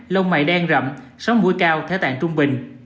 lông mày đen rậm sóng mũi cao thế tạng trung bình